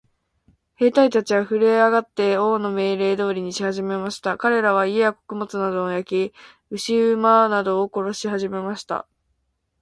兵隊たちはふるえ上って、王の命令通りにしはじめました。かれらは、家や穀物などを焼き、牛馬などを殺しはじめました。